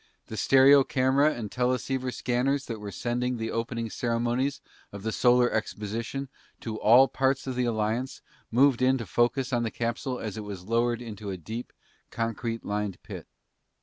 The stereo camera and teleceiver scanners that were sending the opening ceremonies of the Solar Exposition to all parts of the Alliance moved in to focus on the capsule as it was lowered into a deep, concrete lined pit.